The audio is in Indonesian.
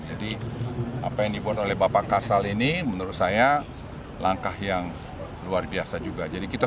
apa yang dibuat oleh bapak kasal ini menurut saya langkah yang luar biasa juga jadi kita